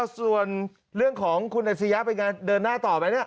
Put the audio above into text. ส่วนเรื่องของคุณอัชริยะเป็นการเดินหน้าต่อไหมเนี่ย